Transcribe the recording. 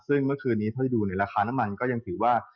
ซึ่งเมื่อคืนนี้เท่าที่ดูในราคาน้ำมันก็ยังถือว่า